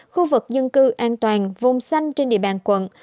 khu vực dân cư an toàn vùng xanh trên địa bàn quận